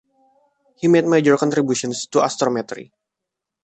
He made major contributions to astrometry.